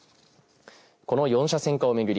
この四車線化を巡り